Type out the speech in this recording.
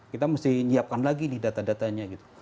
kita mesti nyiapkan lagi nih data datanya gitu